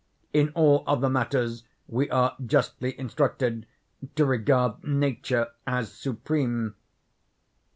In all other matters we are justly instructed to regard nature as supreme.